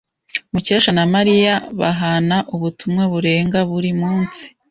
Mukesha na Mariya bahana ubutumwa burenga buri munsi.